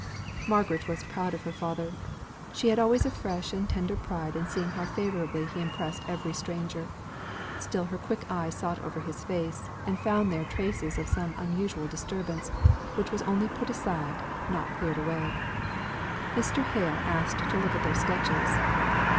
Margaret was proud of her father; she had always a fresh and tender pride in seeing how favourably he impressed every stranger; still her quick eye sought over his face and found there traces of some unusual disturbance, which was only put aside, not cleared away. Mr. Hale asked to look at their sketches.